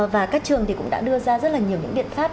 và các trường thì cũng đã đưa ra rất là nhiều những biện pháp